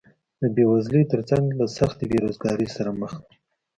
د بېوزلۍ تر څنګ له سختې بېروزګارۍ سره مخ دي